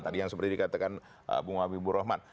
tadi yang seperti dikatakan bung wabi ibu rohman